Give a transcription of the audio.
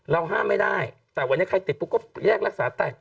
ห้ามไม่ได้แต่วันนี้ใครติดปุ๊บก็แยกรักษาแตก